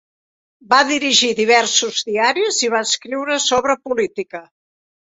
Va dirigir diversos diaris i va escriure sobre política.